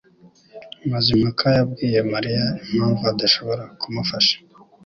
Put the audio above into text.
Mazimpaka yabwiye Mariya impamvu adashobora kumufasha